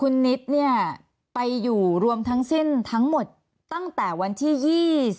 คุณนิดเนี่ยไปอยู่รวมทั้งสิ้นทั้งหมดตั้งแต่วันที่๒๐